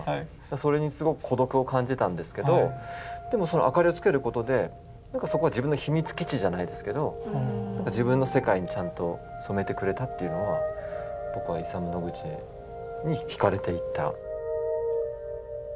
それにすごく孤独を感じてたんですけどでもそのあかりをつけることでそこは自分の秘密基地じゃないですけど自分の世界にちゃんと染めてくれたっていうのは僕がイサム・ノグチに惹かれていった。